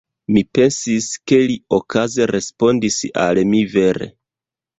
Mi pensis, ke li okaze respondis al mi vere.